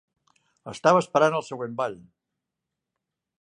Estava esperant el següent ball.